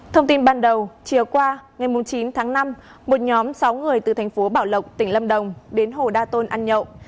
thông tin ban đầu chiều qua ngày chín tháng năm một nhóm sáu người từ thành phố bảo lộc tỉnh lâm đồng đến hồ đa tôn ăn nhậu